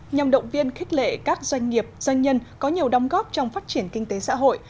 nhằm động viên khích lệ các doanh nghiệp doanh nhân có nhiều đóng góp trong phát triển kinh tế xã hội